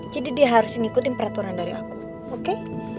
jadi dia harus ngikutin peraturan dari aku oke